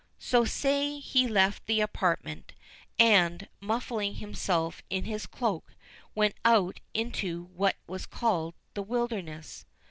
So saying he left the apartment, and, muffling himself in his cloak, went out into what was called the Wilderness.